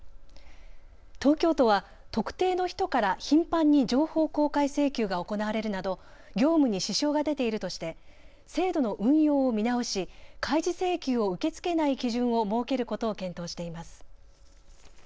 東京都は特定の人から頻繁に情報公開請求が行われるなど業務に支障が出ているとして制度の運用を見直し開示請求を受け付けない基準を設けることを検討しています。